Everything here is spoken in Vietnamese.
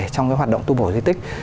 trong cái hoạt động tu bổ di tích